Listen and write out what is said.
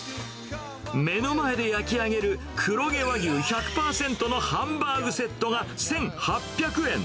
目の前で焼き上げる黒毛和牛１００％のハンバーグセットが１８００円。